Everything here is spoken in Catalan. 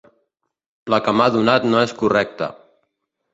La que m'ha donat no és correcte.